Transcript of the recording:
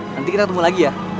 nanti kita tunggu lagi ya